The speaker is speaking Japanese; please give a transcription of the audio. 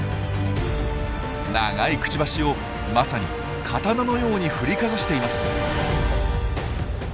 長いクチバシをまさに刀のように振りかざしています！